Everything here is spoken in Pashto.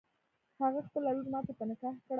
هغه خپله لور ماته په نکاح کړه.